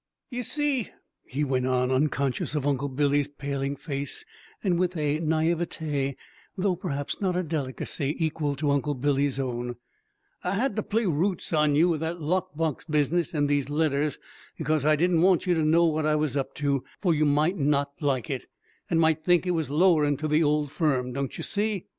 "Ye see," he went on, unconscious of Uncle Billy's paling face, and with a naïvete, though perhaps not a delicacy, equal to Uncle Billy's own, "I had to play roots on you with that lock box business and these letters, because I did not want you to know what I was up to, for you mightn't like it, and might think it was lowerin' to the old firm, don't yer see?